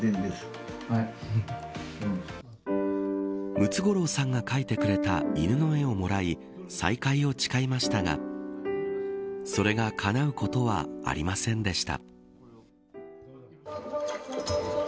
ムツゴロウさんが描いてくれた犬の絵をもらい再会を誓いましたがそれがかなうことはありませんでした。